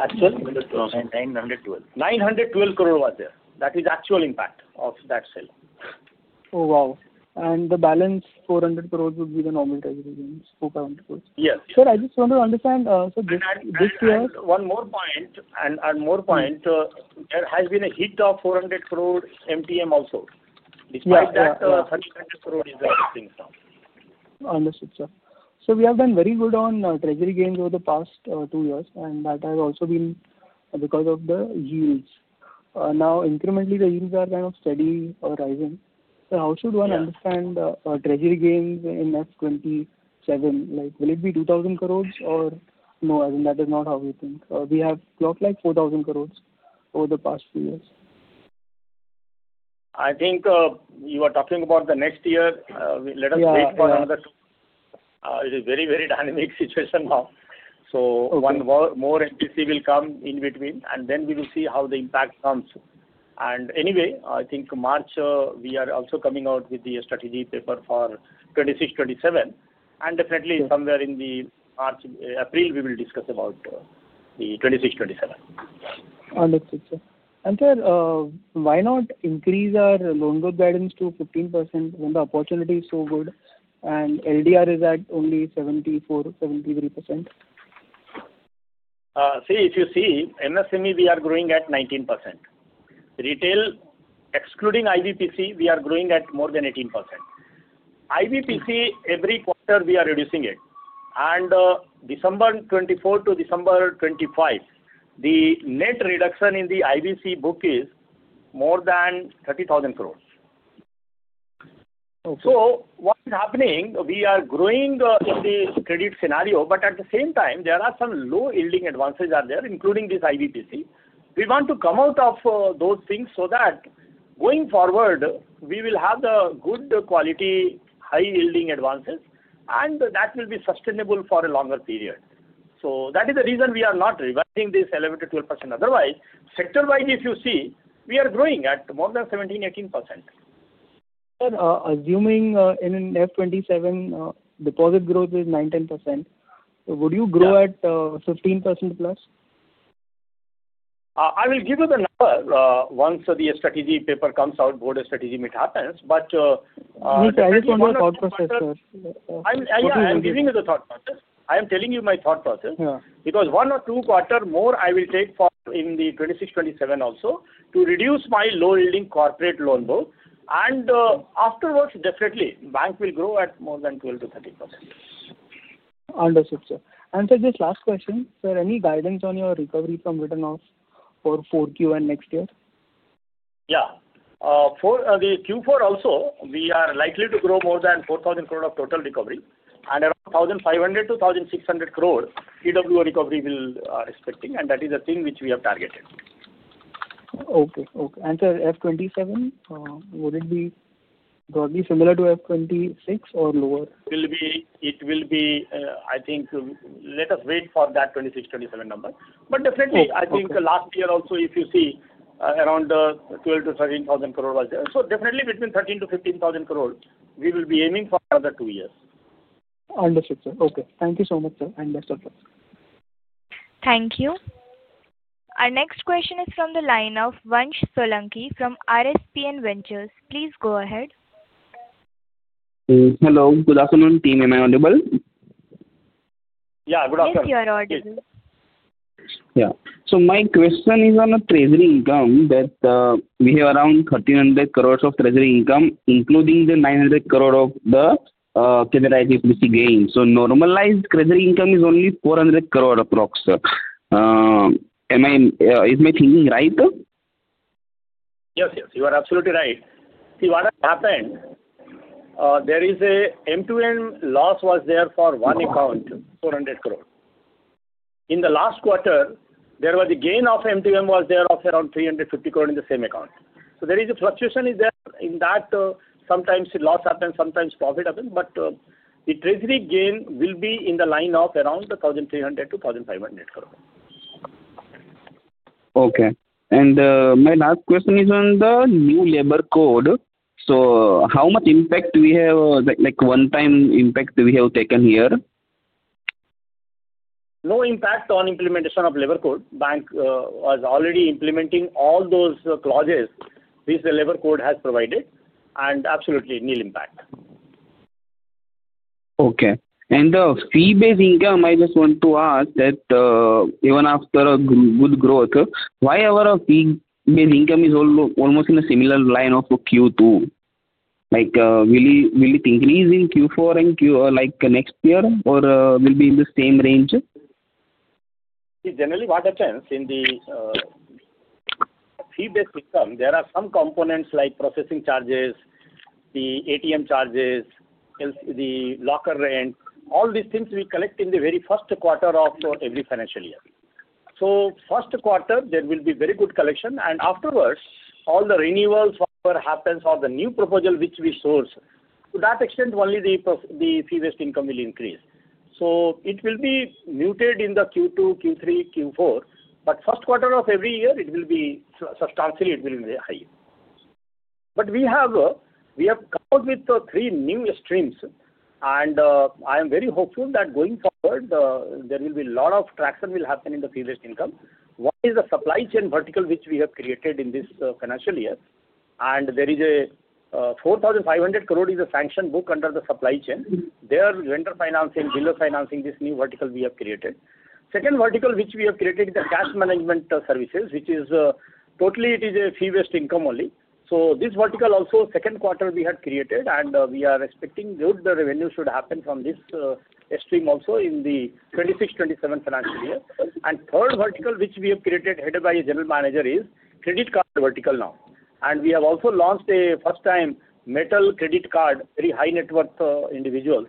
Speaker 4: Actual? 912. INR 912 crore was there. That is actual impact of that sale.
Speaker 9: Oh, wow. And the balance 400 crore would be the normal treasury gains for 500 crore? Yes. Sir, I just wanted to understand, so this year?
Speaker 4: One more point, and more point, there has been a hit of 400 crore MTM also. Despite that, 300 crore is the thing now.
Speaker 9: Understood, sir. So, we have done very good on treasury gains over the past two years, and that has also been because of the yields. Now, incrementally, the yields are kind of steady or rising. So, how should one understand treasury gains in F27? Will it be 2,000 crores or no? I think that is not how we think. We have clocked like 4,000 crores over the past few years.
Speaker 4: I think you are talking about the next year. Let us wait for another two. It is very, very dynamic situation now. So, one more MTM will come in between, and then we will see how the impact comes. And anyway, I think March, we are also coming out with the strategy paper for 26-27. And definitely, somewhere in the April, we will discuss about the 26-27.
Speaker 9: Understood, sir. And, sir, why not increase our loan book guidance to 15% when the opportunity is so good, and LDR is at only 74%-73%?
Speaker 4: See, if you see, MSME, we are growing at 19%. Retail, excluding IBPC, we are growing at more than 18%. IBPC, every quarter, we are reducing it. And December 2024 to December 2025, the net reduction in the IBPC book is more than 30,000 crores. So, what is happening? We are growing in the credit scenario, but at the same time, there are some low-yielding advances out there, including this IBPC. We want to come out of those things so that going forward, we will have good quality, high-yielding advances, and that will be sustainable for a longer period. So, that is the reason we are not revising this 11%-12%. Otherwise, sector-wise, if you see, we are growing at more than 17-18%.
Speaker 9: Sir, assuming in F27, deposit growth is 9-10%, would you grow at 15% plus?
Speaker 4: I will give you the number once the strategy paper comes out, board strategy meet happens.
Speaker 9: But I just want your thought process, sir.
Speaker 4: I'm giving you the thought process. I am telling you my thought process because one or two quarters more, I will take in the 26-27 also to reduce my low-yielding corporate loan book. And afterwards, definitely, bank will grow at more than 12-13%.
Speaker 9: Understood, sir. And sir, just last question. Sir, any guidance on your recovery from written-off for Q4 and next year?
Speaker 4: Yeah. For the Q4 also, we are likely to grow more than 4,000 crore of total recovery. And around 1,500-1,600 crore, PWR recovery we are expecting. And that is the thing which we have targeted.
Speaker 9: Okay. Okay. And sir, F27, would it be broadly similar to F26 or lower?
Speaker 4: It will be, I think. Let us wait for that 26-27 number. But definitely, I think last year also, if you see, around 12,000 to 13,000 crore was there. So, definitely, between 13,000 to 15,000 crore, we will be aiming for another two years.
Speaker 9: Understood, sir. Okay. Thank you so much, sir. And best of luck.
Speaker 1: Thank you. Our next question is from the line of Vansh Solanki from RSPN Ventures. Please go ahead.
Speaker 10: Hello. Good afternoon. Team, all audible?
Speaker 4: Yeah. Good afternoon.
Speaker 1: Thank you, you're audible.
Speaker 10: Yeah. So, my question is on the treasury income that we have around 1,300 crores of treasury income, including the 900 crore of the Canara HSBC gain. So, normalized treasury income is only 400 crore approximately. Is my thinking right?
Speaker 4: Yes. Yes. You are absolutely right. See, what has happened, there is an MTM loss was there for one account, 400 crore. In the last quarter, there was a gain of MTM was there of around 350 crore in the same account. So, there is a fluctuation in that. Sometimes loss happens, sometimes profit happens. But the treasury gain will be in the line of around 1,300-1,500 crore.
Speaker 10: Okay. And my last question is on the new labor code. So, how much impact we have, like one-time impact we have taken here?
Speaker 4: No impact on implementation of labor code. Bank was already implementing all those clauses which the labor code has provided. And absolutely no impact.
Speaker 10: Okay. And the fee-based income, I just want to ask that even after good growth, why our fee-based income is almost in a similar line of Q2? Will it increase in Q4 and Q1 like next year or will be in the same range?
Speaker 4: Generally, what happens in the fee-based income, there are some components like processing charges, the ATM charges, the locker rent. All these things we collect in the very first quarter of every financial year, so first quarter, there will be very good collection, and afterwards, all the renewals happens for the new proposal which we source. To that extent, only the fee-based income will increase, so it will be muted in the Q2, Q3, Q4, but first quarter of every year, it will be substantially higher, but we have come up with three new streams, and I am very hopeful that going forward, there will be a lot of traction will happen in the fee-based income. One is the supply chain vertical which we have created in this financial year. And there is a 4,500 crore sanction book under the supply chain. There is vendor financing, dealer financing, this new vertical we have created. Second vertical which we have created is the cash management services, which is totally fee-based income only. So, this vertical also, second quarter we had created, and we are expecting good revenue should happen from this stream also in the 2026-27 financial year. And third vertical which we have created headed by a general manager is credit card vertical now. And we have also launched a first-time metal credit card, very high-net-worth individuals,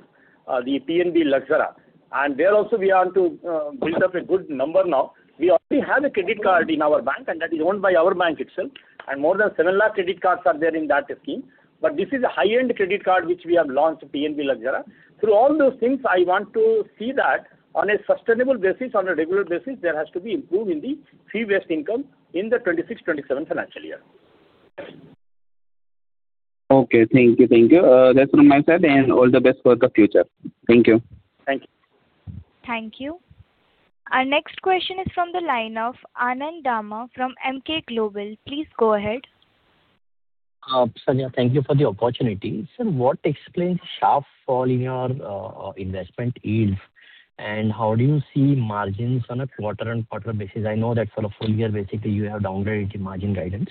Speaker 4: the PNB Luxora. And there also, we are to build up a good number now. We already have a credit card in our bank, and that is owned by our bank itself. And more than 7 lakh credit cards are there in that scheme. But this is a high-end credit card which we have launched, PNB Luxora. Through all those things, I want to see that on a sustainable basis, on a regular basis, there has to be improvement in the fee-based income in the 26-27 financial year.
Speaker 10: Okay. Thank you. Thank you. That's from my side, and all the best for the future. Thank you.
Speaker 4: Thank you.
Speaker 1: Thank you. Our next question is from the line of Anand Dama from Emkay Global. Please go ahead.
Speaker 11: Sanya, thank you for the opportunity. Sir, what explains sharp fall in your investment yields? And how do you see margins on a quarter-on-quarter basis? I know that for a full year, basically, you have downgraded the margin guidance.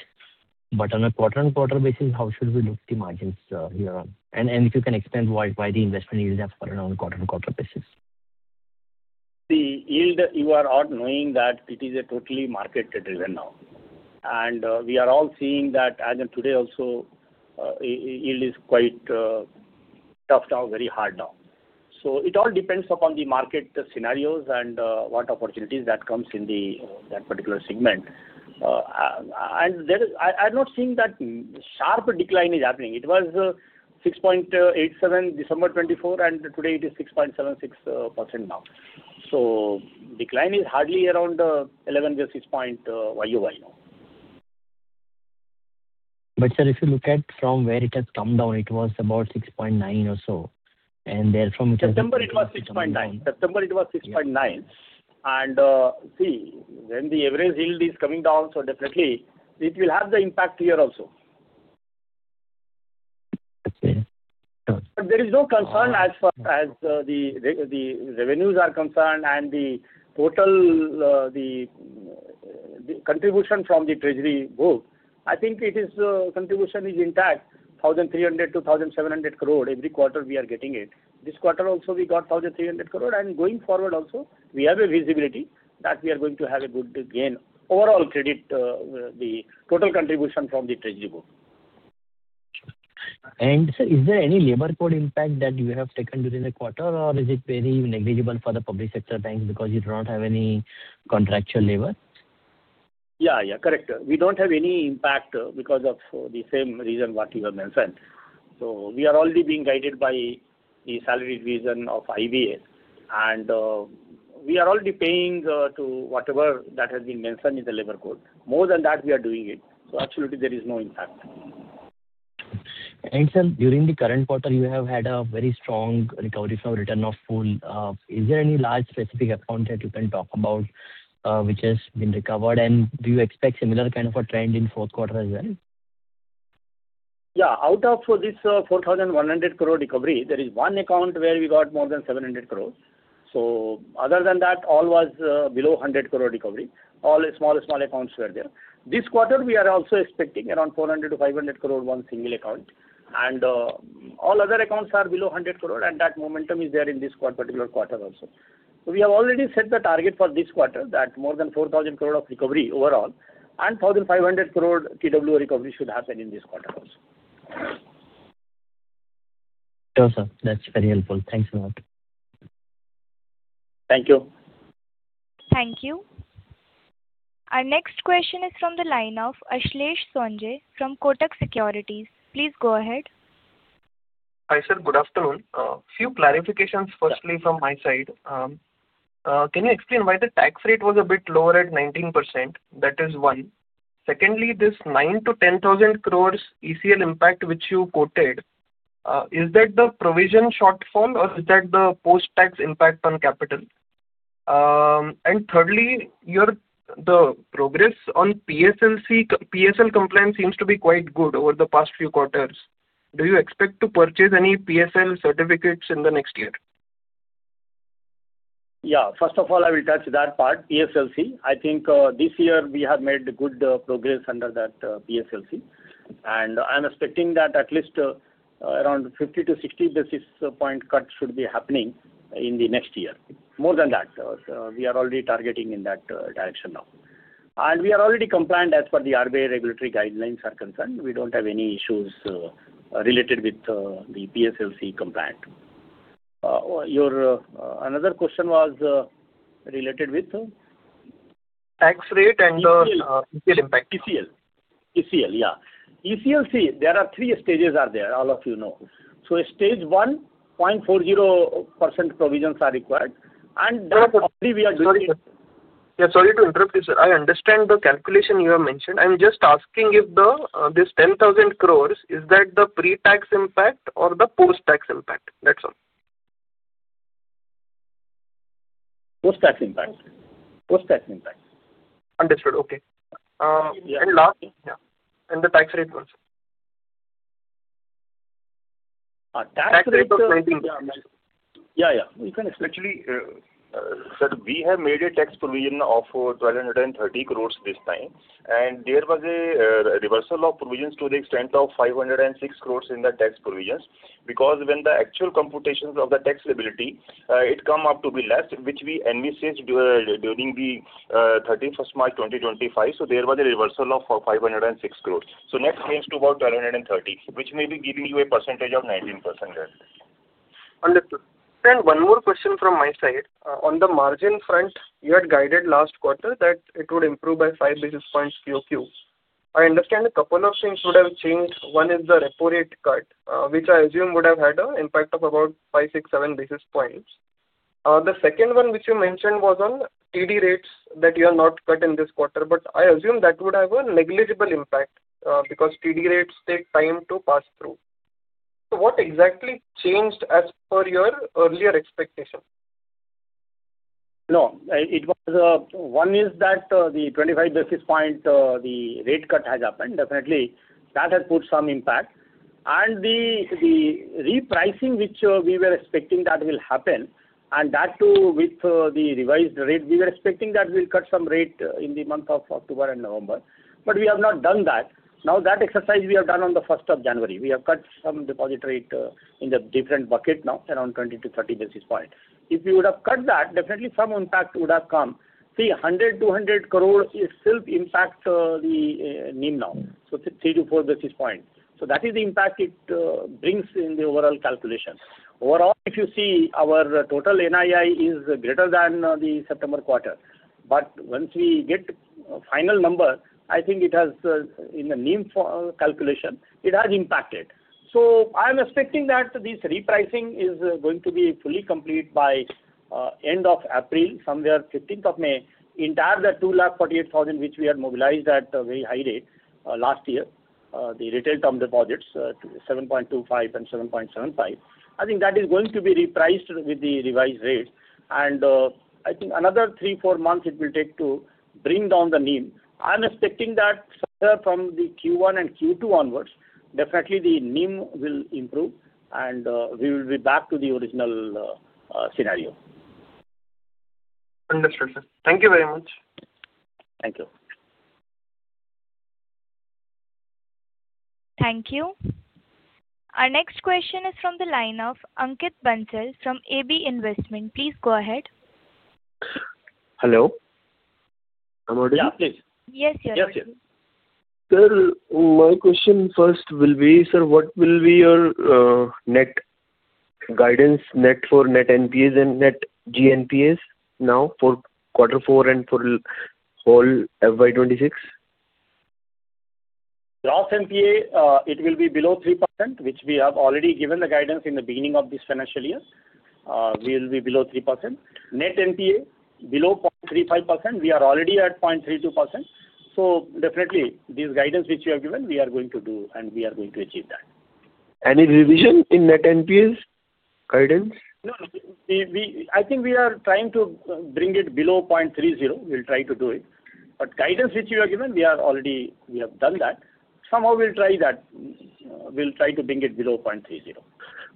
Speaker 11: But on a quarter-on-quarter basis, how should we look at the margins here? And if you can explain why the investment yields have fallen on a quarter-on-quarter basis?
Speaker 4: The yield, you are all knowing that it is totally market-driven now. And we are all seeing that as of today also, yield is quite tough now, very hard now. So, it all depends upon the market scenarios and what opportunities that come in that particular segment. And I'm not seeing that sharp decline is happening. It was 6.87% December 2024, and today it is 6.76% now. So, decline is hardly around 11 to 6 point YOY now.
Speaker 11: But sir, if you look at from where it has come down, it was about 6.9% or so. And therefrom, it has been.
Speaker 4: September, it was 6.9%. September, it was 6.9%. And see, when the average yield is coming down, so definitely, it will have the impact here also. But there is no concern as far as the revenues are concerned and the total contribution from the treasury book. I think the contribution is intact, 1,300-1,700 crore every quarter we are getting it. This quarter also, we got 1,300 crore. And going forward also, we have a visibility that we are going to have a good gain. Overall credit, the total contribution from the treasury book.
Speaker 11: And sir, is there any labor code impact that you have taken during the quarter, or is it very negligible for the public sector banks because you do not have any contractual labor?
Speaker 4: Yeah. Yeah. Correct. We don't have any impact because of the same reason what you have mentioned. So, we are already being guided by the salary revision of IDA. And we are already paying whatever that has been mentioned in the labor code. More than that, we are doing it. So, absolutely, there is no impact.
Speaker 11: And sir, during the current quarter, you have had a very strong recovery from written-off. Is there any large specific account that you can talk about which has been recovered? And do you expect similar kind of a trend in fourth quarter as well?
Speaker 4: Yeah. Out of this 4,100 crore recovery, there is one account where we got more than 700 crore. So, other than that, all was below 100 crore recovery. All small, small accounts were there. This quarter, we are also expecting around 400-500 crore one single account. And all other accounts are below 100 crore, and that momentum is there in this particular quarter also. So, we have already set the target for this quarter that more than 4,000 crore of recovery overall and 1,500 crore written-off recovery should happen in this quarter also.
Speaker 11: Sure, sir. That's very helpful. Thanks a lot.
Speaker 4: Thank you.
Speaker 1: Thank you. Our next question is from the line of Ashlesh Sonje from Kotak Securities. Please go ahead.
Speaker 12: Hi sir, good afternoon. A few clarifications firstly from my side. Can you explain why the tax rate was a bit lower at 19%? That is one. Secondly, this 9-10 thousand crores ECL impact which you quoted, is that the provision shortfall or is that the post-tax impact on capital? And thirdly, the progress on PSL compliance seems to be quite good over the past few quarters. Do you expect to purchase any PSL certificates in the next year?
Speaker 4: Yeah. First of all, I will touch that part, PSLC. I think this year we have made good progress under that PSLC. And I'm expecting that at least around 50-60 basis point cut should be happening in the next year. More than that, we are already targeting in that direction now. And we are already compliant as per the RBI regulatory guidelines are concerned. We don't have any issues related with the PSLC compliance. Another question was related with tax rate and the ECL impact. ECL. ECL, yeah. ECL, there are three stages out there, all of you know. So, stage 1, 0.40% provisions are required. And already we are doing.
Speaker 12: Yeah, sorry to interrupt you, sir. I understand the calculation you have mentioned. I'm just asking if this 10,000 crores, is that the pre-tax impact or the post-tax impact? That's all.
Speaker 4: Post-tax impact. Post-tax impact.
Speaker 12: Understood. Okay. And last, and the tax rate also.
Speaker 4: Tax rate of 19%. Yeah. Yeah. You can explain.
Speaker 3: Actually, sir, we have made a tax provision of 1,230 crores this time. There was a reversal of provisions to the extent of 506 crore in the tax provisions because when the actual computations of the tax liability, it came up to be less, which we envisaged during the 31st March 2025. There was a reversal of 506 crore. Next comes to about 1,230, which may be giving you a percentage of 19%.
Speaker 12: Understood. One more question from my side. On the margin front, you had guided last quarter that it would improve by five basis points QQ. I understand a couple of things would have changed. One is the repo rate cut, which I assume would have had an impact of about five, six, seven basis points. The second one which you mentioned was on TD rates that you have not cut in this quarter. I assume that would have a negligible impact because TD rates take time to pass through. What exactly changed as per your earlier expectation?
Speaker 4: No. One is that the 25 basis point, the rate cut has happened. Definitely, that has put some impact. The repricing which we were expecting that will happen, and that too with the revised rate, we were expecting that we'll cut some rate in the month of October and November. We have not done that. That exercise we have done on the 1st of January, we have cut some deposit rate in the different bucket now, around 20-30 basis points. If we would have cut that, definitely some impact would have come. 100-200 crore still impacts the NIM now. Three to four basis points. That is the impact it brings in the overall calculation. Overall, if you see, our total NII is greater than the September quarter. But once we get final number, I think it has in the NIM calculation, it has impacted. So, I'm expecting that this repricing is going to be fully complete by end of April, somewhere 15th of May. Entire the 248,000 which we had mobilized at a very high rate last year, the retail term deposits, 7.25% and 7.75%, I think that is going to be repriced with the revised rate. And I think another three, four months it will take to bring down the NIM. I'm expecting that from the Q1 and Q2 onwards, definitely the NIM will improve and we will be back to the original scenario.
Speaker 12: Understood, sir. Thank you very much.
Speaker 4: Thank you.
Speaker 1: Thank you. Our next question is from the line of Ankit Bansal from AB Investment. Please go ahead.
Speaker 13: Hello. I'm audio.
Speaker 4: Yes, please.
Speaker 1: Yes, sir. Yes, sir.
Speaker 13: Sir, my question first will be, sir, what will be your net guidance, net for net NPAs and net GNPAs now for quarter four and for whole FY26?
Speaker 4: Gross NPA, it will be below 3%, which we have already given the guidance in the beginning of this financial year. We will be below 3%. Net NPA, below 0.35%. We are already at 0.32%. So, definitely, these guidance which you have given, we are going to do and we are going to achieve that.
Speaker 13: Any revision in net NPAs guidance?
Speaker 4: No. I think we are trying to bring it below 0.30. We'll try to do it. But guidance which you have given, we have done that. Somehow, we'll try that. We'll try to bring it below 0.30.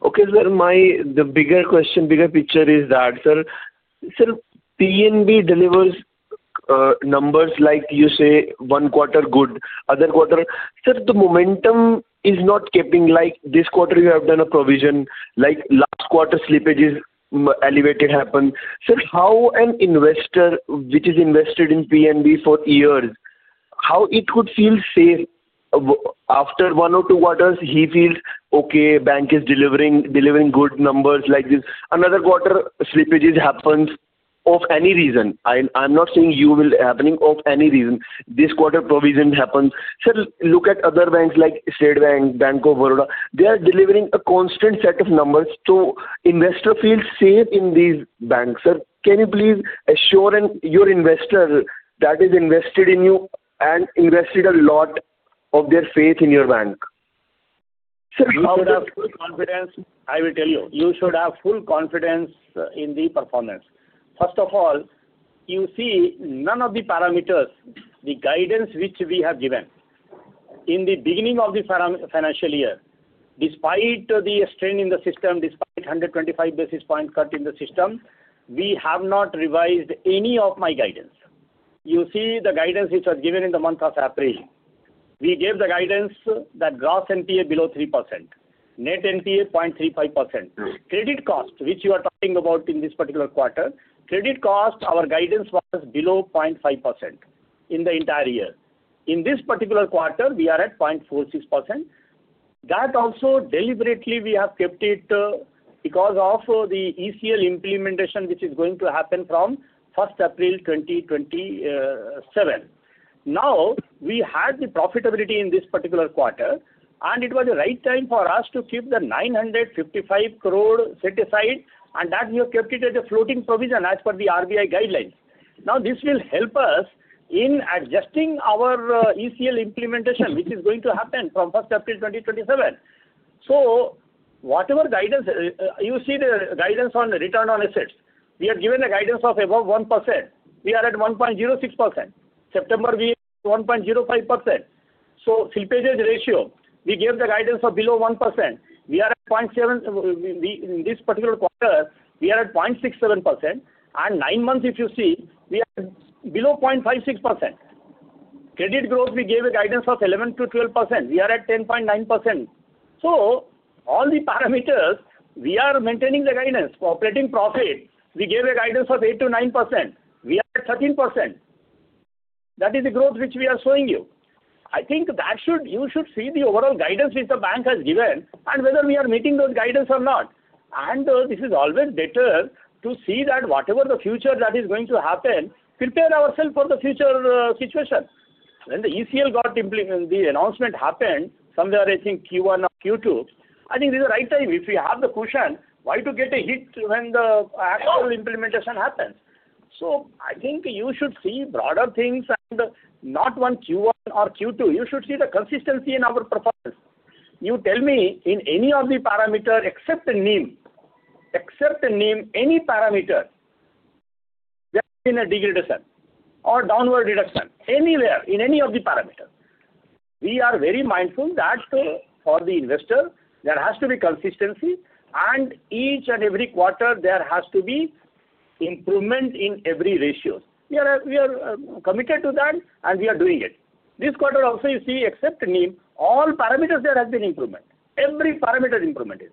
Speaker 13: Okay, sir. The bigger question, bigger picture is that, sir, PNB delivers numbers like you say, one quarter good, other quarter. Sir, the momentum is not keeping like this quarter you have done a provision, like last quarter slippage is elevated happened. Sir, how an investor which is invested in PNB for years, how it could feel safe after one or two quarters? He feels, "Okay, bank is delivering good numbers like this." Another quarter slippage happens of any reason. I'm not saying you will happening of any reason. This quarter provision happens. Sir, look at other banks like State Bank, Bank of Baroda. They are delivering a constant set of numbers. So, investor feels safe in these banks. Sir, can you please assure your investor that is invested in you and invested a lot of their faith in your bank?
Speaker 4: Sir, you should have full confidence. I will tell you, you should have full confidence in the performance. First of all, you see, none of the parameters, the guidance which we have given in the beginning of the financial year, despite the strain in the system, despite 125 basis point cut in the system, we have not revised any of my guidance. You see, the guidance which was given in the month of April, we gave the guidance that gross NPA below 3%, net NPA 0.35%. Credit cost, which you are talking about in this particular quarter, credit cost, our guidance was below 0.5% in the entire year. In this particular quarter, we are at 0.46%. That also, deliberately, we have kept it because of the ECL implementation which is going to happen from 1st April 2027. Now, we had the profitability in this particular quarter, and it was the right time for us to keep the 955 crore set aside, and that we have kept it as a floating provision as per the RBI guidelines. Now, this will help us in adjusting our ECL implementation, which is going to happen from 1st April 2027. So, whatever guidance you see, the guidance on return on assets, we have given the guidance of above 1%. We are at 1.06%. September, we are at 1.05%. So, slippage ratio, we gave the guidance of below 1%. We are at 0.7%. In this particular quarter, we are at 0.67%. And nine months, if you see, we are below 0.56%. Credit growth, we gave a guidance of 11%-12%. We are at 10.9%. So, all the parameters, we are maintaining the guidance. Operating profit, we gave a guidance of 8%-9%. We are at 13%. That is the growth which we are showing you. I think that you should see the overall guidance which the bank has given and whether we are meeting those guidance or not, and this is always better to see that whatever the future that is going to happen, prepare ourselves for the future situation. When the ECL got the announcement happened, somewhere, I think Q1 or Q2, I think this is the right time. If we have the cushion, why to get a hit when the actual implementation happens, so I think you should see broader things and not one Q1 or Q2. You should see the consistency in our performance. You tell me in any of the parameter except the NIM, except the NIM, any parameter, there has been a degree reduction or downward reduction anywhere in any of the parameters. We are very mindful that for the investor, there has to be consistency, and each and every quarter, there has been improvement in every ratio. We are committed to that, and we are doing it. This quarter also, you see, except NIM, all parameters, there has been improvement. Every parameter improvement is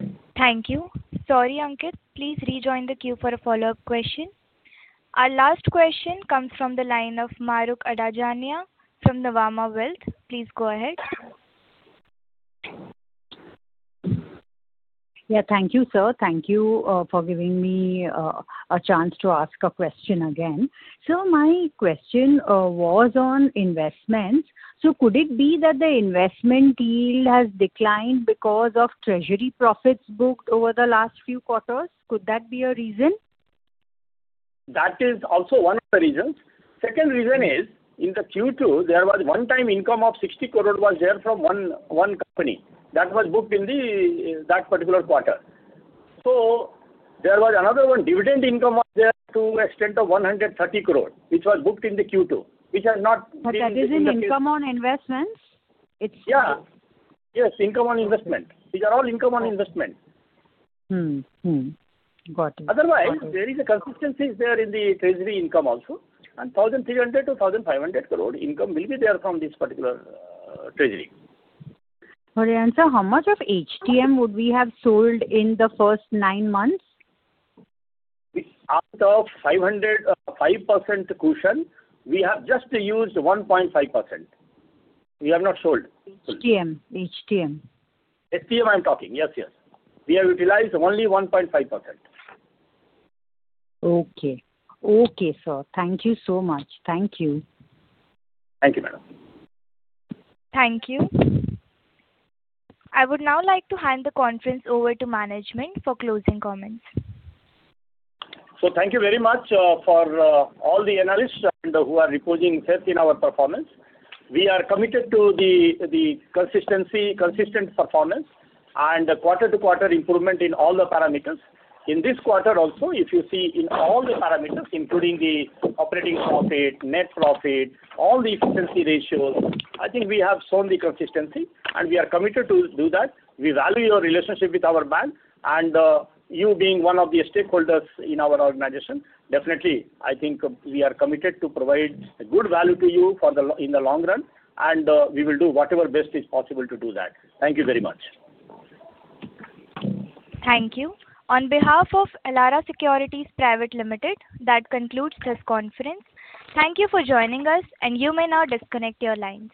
Speaker 4: there.
Speaker 1: Thank you. Sorry, Ankit. Please rejoin the queue for a follow-up question. Our last question comes from the line of Mahrukh Adajania from Nuvama Wealth. Please go ahead.
Speaker 5: Yeah, thank you, sir. Thank you for giving me a chance to ask a question again. Sir, my question was on investments. So, could it be that the investment yield has declined because of treasury profits booked over the last few quarters? Could that be a reason?
Speaker 4: That is also one of the reasons. Second reason is, in the Q2, there was one-time income of 60 crore was there from one company that was booked in that particular quarter. So, there was another one, dividend income was there to the extent of 130 crore, which was booked in the Q2, which has not been reported.
Speaker 5: That is in income on investments?
Speaker 4: Yeah. Yes, income on investment. These are all income on investment. Otherwise, there is a consistency there in the treasury income also. And 1,300-1,500 crore income will be there from this particular treasury.
Speaker 5: Sorry, Anand, how much of HTM would we have sold in the first nine months?
Speaker 4: Out of 5% cushion, we have just used 1.5%. We have not sold.
Speaker 5: HTM.
Speaker 4: HTM, I'm talking. Yes, yes. We have utilized only 1.5%.
Speaker 5: Okay. Okay, sir. Thank you so much. Thank you.
Speaker 4: Thank you, madam.
Speaker 1: Thank you. I would now like to hand the conference over to management for closing comments.
Speaker 4: So, thank you very much for all the analysts who are reporting in our performance. We are committed to the consistent performance and quarter-to-quarter improvement in all the parameters. In this quarter also, if you see in all the parameters, including the operating profit, net profit, all the efficiency ratios, I think we have shown the consistency, and we are committed to do that. We value your relationship with our bank, and you being one of the stakeholders in our organization, definitely, I think we are committed to provide good value to you in the long run, and we will do whatever best is possible to do that. Thank you very much.
Speaker 1: Thank you. On behalf of Elara Securities Private Limited, that concludes this conference. Thank you for joining us, and you may now disconnect your lines.